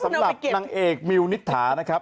สำหรับนางเอกมิวนิษฐานะครับ